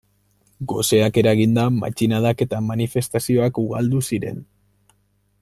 Goseak eraginda matxinadak eta manifestazioak ugaldu ziren.